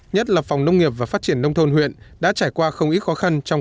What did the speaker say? nhất là phòng nông nghiệp và phát triển nông thôn huyện đã trải qua không ít khó khăn trong